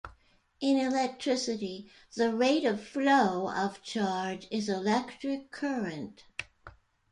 In electricity, the rate of flow of charge is electric current.